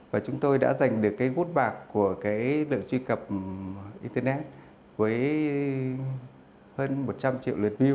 và chúng tôi đã giành được gút bạc của lượng truy cập internet với hơn một trăm linh triệu lượt view